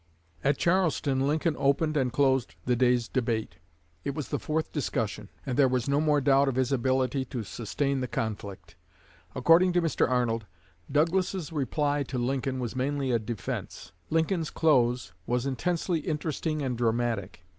At Charleston Lincoln opened and closed the day's debate. It was the fourth discussion, and there was no more doubt of his ability to sustain the conflict. According to Mr. Arnold, "Douglas's reply to Lincoln was mainly a defense. Lincoln's close was intensely interesting and dramatic.